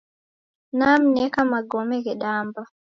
Nemneka magome ghedamba.